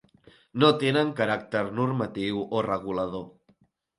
No tenen caràcter normatiu o regulador.